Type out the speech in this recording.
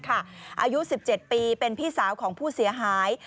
อายุ๑๗ปีเป็นพี่สาวของผู้เสียหาย